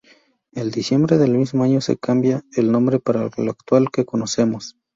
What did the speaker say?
El diciembre del mismo año se cambia el nombre para el actual que conocemos.